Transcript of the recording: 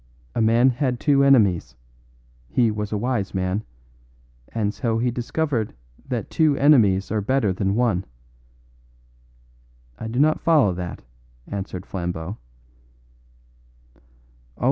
A man had two enemies. He was a wise man. And so he discovered that two enemies are better than one." "I do not follow that," answered Flambeau.